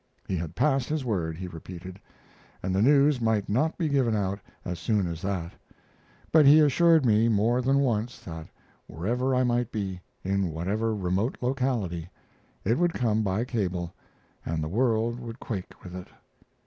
He had passed his word, he repeated, and the news might not be given out as soon as that; but he assured me more than once that wherever I might be, in whatever remote locality, it would come by cable, and the world would quake with it.